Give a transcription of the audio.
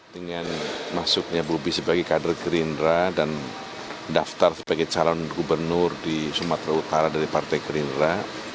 dengan masuknya bobi sebagai kader gerindra dan daftar sebagai calon gubernur di sumatera utara dari partai gerindra